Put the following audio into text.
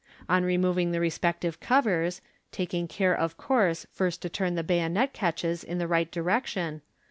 On removing the respcc'.Ivj covers (taking care, of course, first to turn the bayonet catches ;d che light direction \ MODERN MAGIC.